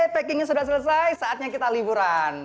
packingnya sudah selesai saatnya kita liburan